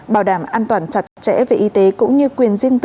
bảo đảm an toàn chặt chẽ về y tế cũng như quyền riêng tư